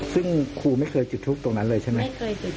ซึ่งครูไม่เคยจุดทูปตรงนั้นเลยใช่ไหม